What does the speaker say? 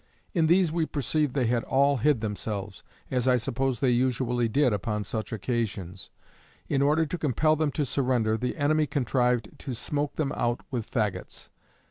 In these we perceived they had all hid themselves, as I suppose they usually did upon such occasions. In order to compel them to surrender, the enemy contrived to smoke them out with faggots.